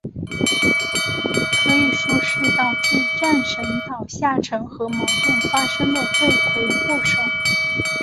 可以说是导致战神岛下沉和矛盾发生的罪魁祸首。